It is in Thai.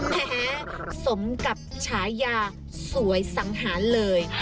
สมกับฉายาสวยสังหารเลย